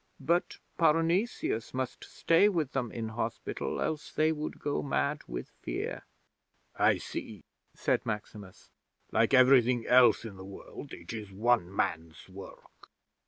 But Parnesius must stay with them in hospital, else they would go mad with fear." '"I see," said Maximus. "Like everything else in the world, it is one man's work.